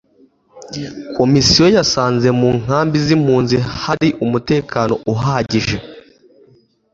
komisiyo yasanze mu nkambi z impunzi hari umutekano uhagije